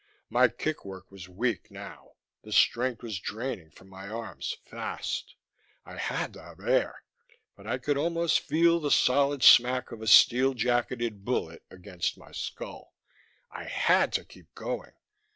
My kick work was weak now; the strength was draining from my arms fast. I had to have air but I could almost feel the solid smack of a steel jacketed bullet against my skull. I had to keep going.